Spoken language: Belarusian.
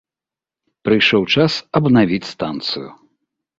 Прыйшоў час абнавіць станцыю.